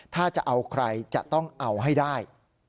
ถ้าจะเอาใครจะต้องเอาให้ได้